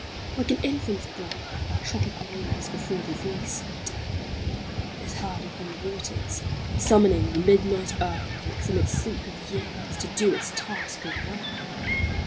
Like an infant's breath Are tropic winds before the voice of death Is heard upon the waters, summoning The midnight earthquake from its sleep of years To do its task of woe.